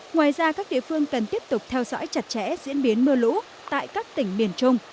ngoài ra các địa phương cần tiếp tục theo dõi chặt chẽ diễn biến mưa lũ tại các tỉnh biển trung